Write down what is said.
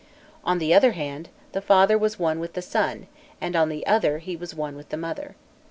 On the one hand, the father was one with the son, and on the other he was one with the mother.